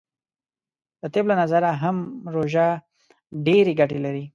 د طب له نظره هم روژه ډیرې ګټې لری .